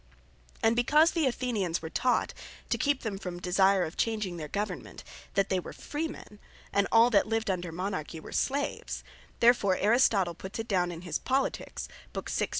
And because the Athenians were taught, (to keep them from desire of changing their Government,) that they were Freemen, and all that lived under Monarchy were slaves; therefore Aristotle puts it down in his Politiques,(lib.